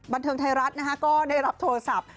บันเทิงไทยรัฐก็ได้รับโทรศัพท์